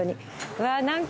うわ。何か。